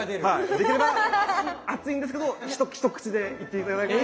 できれば熱いんですけど一口でいって頂けると。